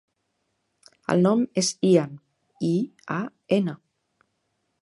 El nom és Ian: i, a, ena.